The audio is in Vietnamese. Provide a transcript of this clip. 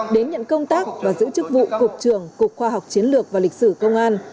đến nhận công tác và giữ chức vụ cục trưởng cục khoa học chiến lược và lịch sử công an